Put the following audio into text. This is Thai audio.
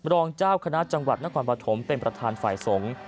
รองเจ้าคณะจังหวัดนครปฐมเป็นประธานฝ่ายสงฆ์